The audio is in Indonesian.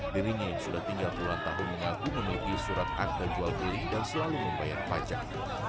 dirinya yang sudah tiga puluh an tahun mengaku memiliki surat akta jual beli dan selalu membayar pajak